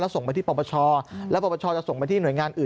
แล้วส่งไปที่ปรบประชาแล้วปรบประชาจะส่งไปที่หน่วยงานอื่น